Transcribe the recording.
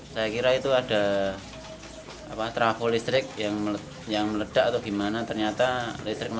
setelah itu baru polisi banyak yang datang